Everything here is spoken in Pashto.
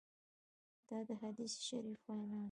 دا د حدیث شریف وینا ده.